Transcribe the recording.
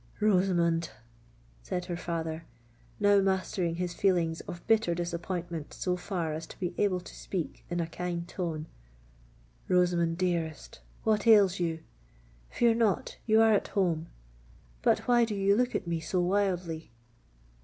"Rosamond," said her father, now mastering his feelings of bitter disappointment so far as to be able to speak in a kind tone: "Rosamond, dearest—what ails you? Fear not—you are at home! But why do you look at me so wildly!"